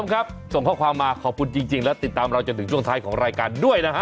ครับส่งข้อความมาขอบคุณจริงและติดตามเราจนถึงช่วงท้ายของรายการด้วยนะฮะ